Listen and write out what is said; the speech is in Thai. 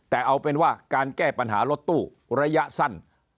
แต่เอาเป็นว่าการแก้ปัญหารถตู้ระยะสั้น